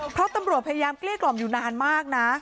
เพราะตำรวจพยายามเกลี้ยกล่อมอยู่นานมากนะ